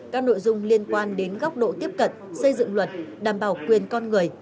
các nội dung liên quan đến góc độ tiếp cận xây dựng luật đảm bảo quyền con người